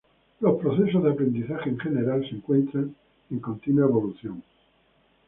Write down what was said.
Los procesos de aprendizaje en general, se encuentran en continua evolución.